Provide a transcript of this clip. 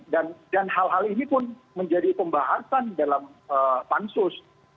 dan hal hal ini pun menjadi pembahasan dalam pansus